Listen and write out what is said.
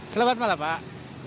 selamat malam pak